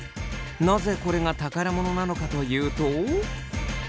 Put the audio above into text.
なぜこれが宝物なのかというと。